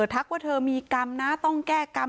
ทักว่าเธอมีกรรมนะต้องแก้กรรม